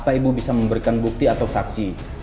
apakah ibu bisa memberikan bukti atau saksi